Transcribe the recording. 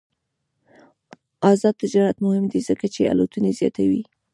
آزاد تجارت مهم دی ځکه چې الوتنې زیاتوي.